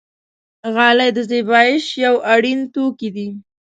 غلۍ د زېبایش یو اړین توکی دی.